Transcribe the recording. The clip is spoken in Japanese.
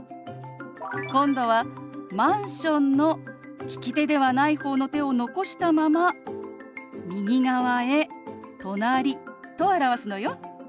今度は「マンション」の利き手ではない方の手を残したまま右側へ「隣」と表すのよ。